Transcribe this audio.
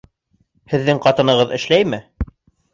Һеҙҙең ҡатынығыҙ эшләйме?